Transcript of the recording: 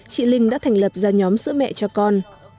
chị linh đã thành lập ra nhóm sữa mẹ cho con